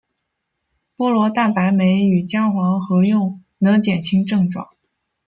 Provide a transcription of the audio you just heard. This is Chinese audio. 菠萝蛋白酶与姜黄合用能减轻症状。